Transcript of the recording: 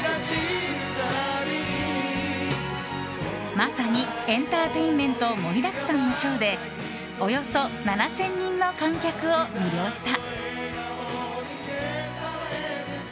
まさにエンターテインメント盛りだくさんのショーでおよそ７０００人の観客を魅了した。